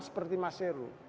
seperti mas heru